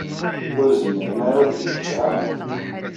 Ur zmiren ara ad gen kra.